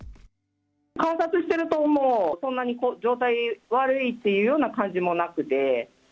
観察していると、そんなに状態悪いというような感じもなくて。